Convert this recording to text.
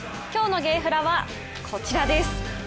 今日のゲーフラはこちらです。